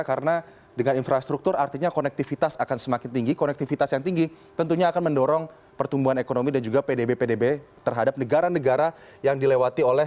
karena dengan infrastruktur artinya konektivitas akan semakin tinggi konektivitas yang tinggi tentunya akan mendorong pertumbuhan ekonomi dan juga pdb pdb terhadap negara negara yang dilewati oleh